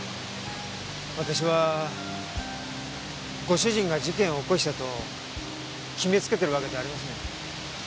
私はご主人が事件を起こしたと決めつけているわけではありません。